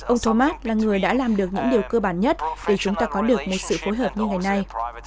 ông thomas là người đã làm được những điều cơ bản nhất để chúng ta có được một sự phối hợp như ngày nay